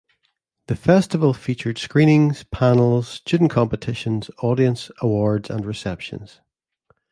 The festival featured screenings, panels, student competitions, audience awards and receptions.